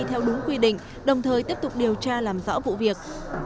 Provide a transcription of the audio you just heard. theo đúng quy định đồng thời tiếp tục điều tra làm rõ vụ việc